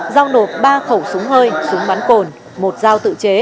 giao nộp ba khẩu súng hơi súng bắn cồn một dao tự chế